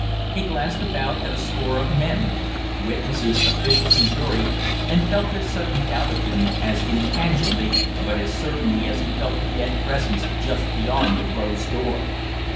He glanced about at a score of men witnesses, officials, and jury, and felt their sudden doubt of him, as intangibly but as certainly as he felt the dead presence just beyond the closed door.